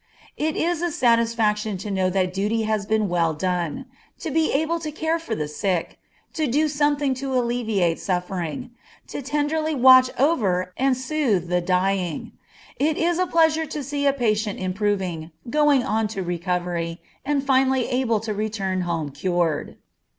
It is a satisfaction to know that duty has been well done; to be able to care for the sick; to do something to alleviate suffering; to tenderly watch over and soothe the dying; it is a pleasure to see a patient improving, going on to recovery, and finally able to return home cured.